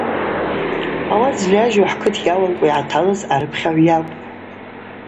Ауат зльажьу хӏкыт йауамкӏва йгӏаталыз арыпхьагӏв йакӏвпӏ.